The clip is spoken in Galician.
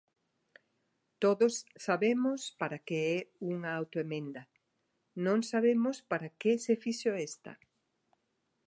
Todos sabemos para que é unha autoemenda, non sabemos para que se fixo esta.